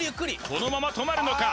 このまま止まるのか？